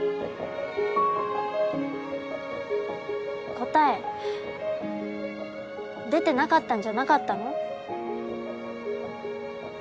答え出てなかったんじゃなかったの？